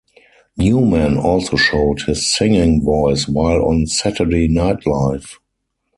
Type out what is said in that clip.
Newman also showed his singing voice while on Saturday Night Live.